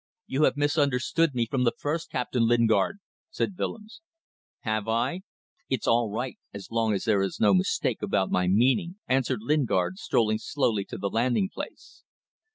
"You have misunderstood me from the first, Captain Lingard," said Willems. "Have I? It's all right, as long as there is no mistake about my meaning," answered Lingard, strolling slowly to the landing place.